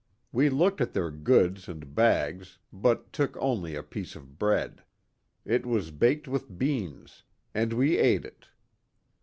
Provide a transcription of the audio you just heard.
We looked at their goods and bags, but took only a piece of bread. It was baked with beans, and we ale it.